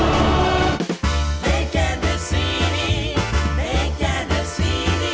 โปรดติดตามตอนต่อไป